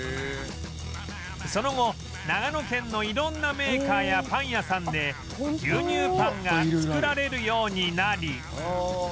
その後長野県の色んなメーカーやパン屋さんで牛乳パンが作られるようになり